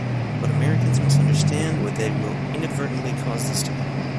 But Americans must understand or they will inadvertently cause this to happen.